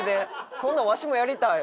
そんなんわしもやりたい。